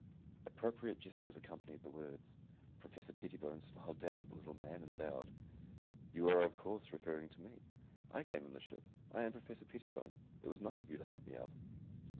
Appropriate gestures accompanied the words. Professor Pettibone smiled down at the little men and bowed. "You are of course referring to me. I came in the ship. I am Professor Pettibone. It was nice of you to hunt me up."